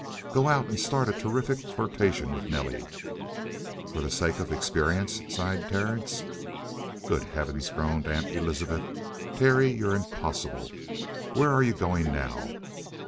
"Go out and start a terrific flirtation with Nelly." "For the sake of experience?" sighed Terence. "Good heavens!" groaned Aunt Elizabeth. "Terry, you're impossible! Where are you going now?"